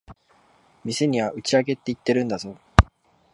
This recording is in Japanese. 店には打ち上げって言ってるんだぞ。